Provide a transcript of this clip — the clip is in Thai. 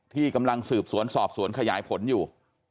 ที่กำลังสืบสวนสอบสวนขยายผลอยู่